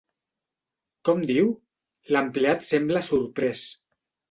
Com diu? –l'empleat sembla sorprès.